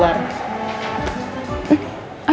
kau mau temanin mama gak